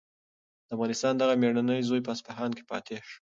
د افغانستان دغه مېړنی زوی په اصفهان کې فاتح شو.